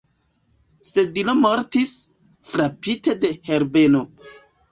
Sedilo mortis, frapite de Herbeno.